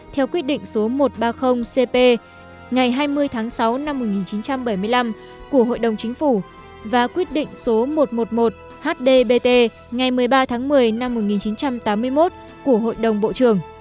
theo quyết định số năm mươi ba hai nghìn một mươi qdttg